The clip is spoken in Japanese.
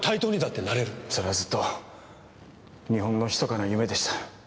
それはずっと日本の密かな夢でした。